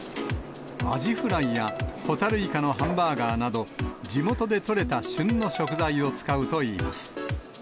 アジフライや、ホタルイカのハンバーガーなど、地元で取れた旬の食材を使うといいます。